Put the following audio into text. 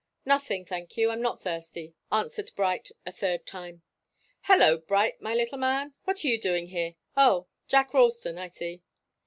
"Nothing, thank you. I'm not thirsty," answered Bright a third time. "Hallo, Bright, my little man! What are you doing here? Oh Jack Ralston I see."